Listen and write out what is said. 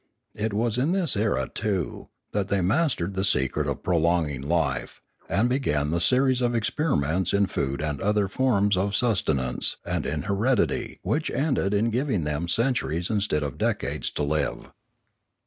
It was in this era, too, that they mastered the secret of prolonging life and began the series of experiments in food and other forms of sustenance, and in heredity, which ended in giving them centuries instead of decades to live.